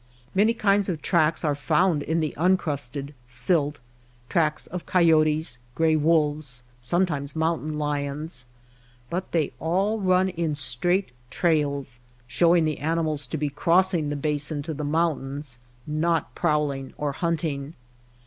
Many kinds of tracks are found in the uncrusted silt — tracks of coyotes, gray wolves, sometimes mountain lions — but they all run in straight trails, show ing the animals to be crossing the basin to the mountains, not prowling or hunting.